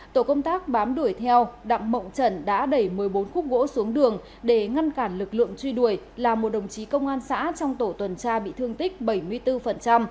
tổ công tác bám đuổi theo đặng mộng trần đã đẩy một mươi bốn khúc gỗ xuống đường để ngăn cản lực lượng truy đuổi làm một đồng chí công an xã trong tổ tuần tra bị thương tích bảy mươi bốn